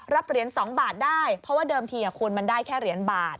เหรียญ๒บาทได้เพราะว่าเดิมทีคุณมันได้แค่เหรียญบาท